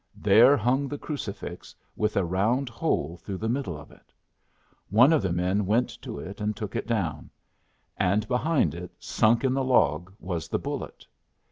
There hung the crucifix, with a round hole through the middle of it. One of the men went to it and took it down; and behind it, sunk in the log, was the bullet.